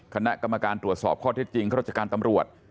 คณะกรรมการตรวจสอบข้อเท็จจริงข้าราชการตำรวจ